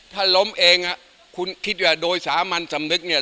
ถ้าล้มเองอ่ะคุณคิดว่าโดยสามัญสำนึกเนี่ย